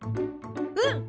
うん！